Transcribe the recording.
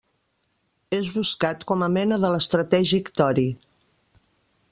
És buscat com a mena de l'estratègic tori.